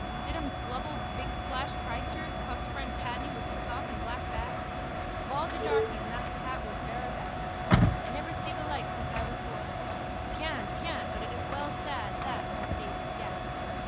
Did ums blubble bigsplash crytears cos fren Padney was took off in black bag? Of all de darkies Massa Pat was verra best. I never see the like since I was born. Tiens, tiens, but it is well sad, that, my faith, yes.